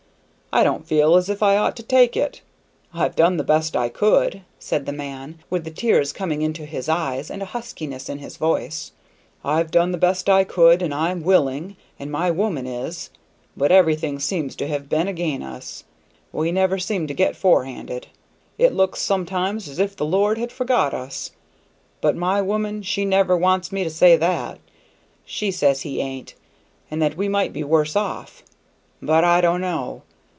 I don't feel as if I ought to take it. I've done the best I could," said the man, with the tears coming into his eyes, and a huskiness in his voice. "I've done the best I could, and I'm willin' and my woman is, but everything seems to have been ag'in' us; we never seem to get forehanded. It looks sometimes as if the Lord had forgot us, but my woman she never wants me to say that; she says He ain't, and that we might be worse off, but I don' know.